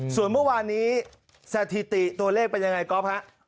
ส่วนเมื่อวานนี้สถิติตัวเลขเป็นยังไงก๊อฟฮะ